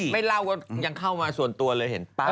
ไม่เล่าก็ยังเข้ามาส่วนตัวเลยเห็นป่ะ